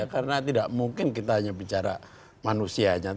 karena tidak mungkin kita hanya bicara manusianya